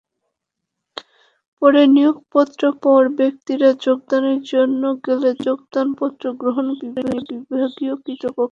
পরে নিয়োগপত্র পাওয়া ব্যক্তিরা যোগদানের জন্য গেলে যোগদানপত্র গ্রহণ করেনি বিভাগীয় কর্তৃপক্ষ।